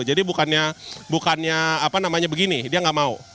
jadi bukannya apa namanya begini dia gak mau